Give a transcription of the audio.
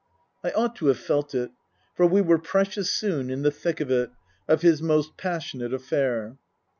I ought to have felt it. For we were precious soon in the thick of it of his most passionate affair.